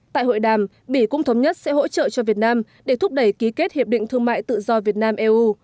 tại hội đàm bỉ cũng thống nhất sẽ hỗ trợ cho việt nam để thúc đẩy ký kết hiệp định thương mại tự do việt nam eu